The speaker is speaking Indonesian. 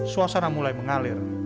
suasana mulai mengalir